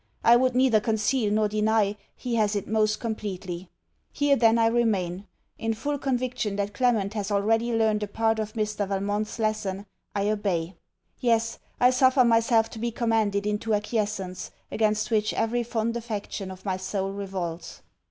I would neither conceal nor deny, he has it most completely. Here then I remain. In full conviction that Clement has already learned a part of Mr. Valmont's lesson, I obey. Yes: I suffer myself to be commanded into acquiescence, against which every fond affection of my soul revolts.